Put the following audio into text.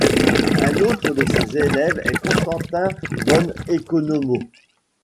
Un autre de ses élèves est Constantin von Economo.